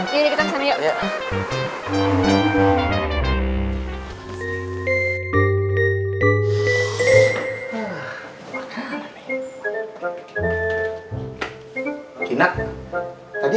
yuk kita kesana yuk